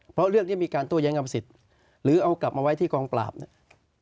เพราะเรื่องที่มีการโต้แย้งกรรมสิทธิ์หรือเอากลับมาไว้ที่กองปราบเนี่ย